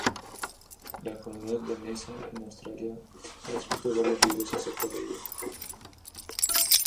La comunidad danesa en Australia ha escrito varios libros acerca de ella.